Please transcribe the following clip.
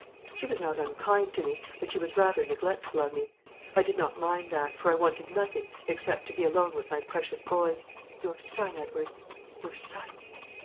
She was not unkind to me, but she was rather neglectful of me. I did not mind that, for I wanted nothing except to be alone with my precious boy your son, Edward; your son.